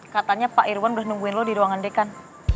katanya pak irwan udah nungguin lo di ruangan dekan